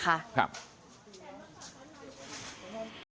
ครับ